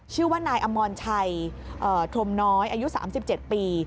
ชื่อว่านายอมรชัยพรมน้อยอายุ๓๗ปี